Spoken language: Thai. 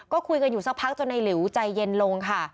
ก็คุยกันอยู่สักพักจนในหลิวใจเย็นลงค่ะ